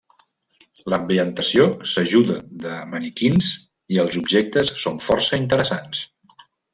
L'ambientació s'ajuda de maniquins, i els objectes són força interessants.